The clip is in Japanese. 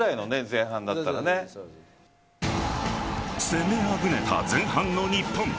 攻めあぐねた前半の日本。